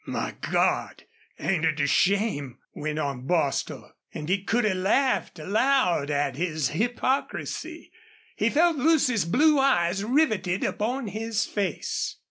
"My God! ain't it a shame!" went on Bostil, and he could have laughed aloud at his hypocrisy. He felt Lucy's blue eyes riveted upon his face.